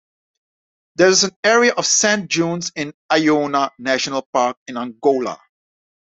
There is an area of sand dunes in Iona National Park in Angola.